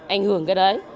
ảnh hưởng cái đấy